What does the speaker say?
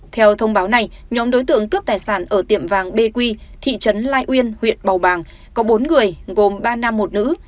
theo thông báo này nhóm đối tượng cướp tài sản ở tiệm vàng bq thị trấn lai uyên huyện bầu bàng có bốn người gồm ba nam một nữ